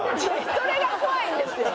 それが怖いんですよ！